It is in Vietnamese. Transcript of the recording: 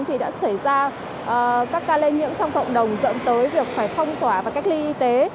thì đã xảy ra các ca lây nhiễm trong cộng đồng dẫn tới việc phải phong tỏa và cách ly y tế